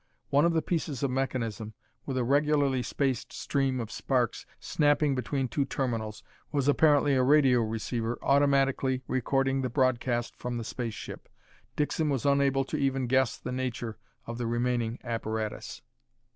One of the pieces of mechanism, with a regularly spaced stream of sparks snapping between two terminals, was apparently a radio receiver automatically recording the broadcast from the space ship. Dixon was unable to even guess the nature of the remaining apparatus.